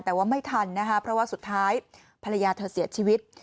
แต่ว่าไม่ทันนะคะเพราะว่าสุดท้ายภรรยาเธอเสียชีวิต